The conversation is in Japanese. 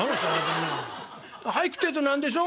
「俳句ってえと何でしょ？